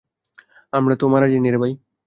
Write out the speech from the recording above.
আমরা তো মারা যাইনিরে ভাই!